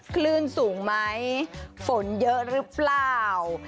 คลื่นสูงไหมฝนเยอะหรือเปล่า